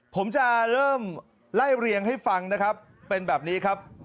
ผมจะเริ่มไล่เรียงให้ฟังนะครับเป็นแบบนี้ครับ